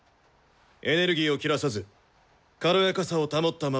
エネルギーを切らさず軽やかさを保ったままピアニッシモで。